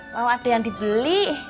mau ada yang dibeli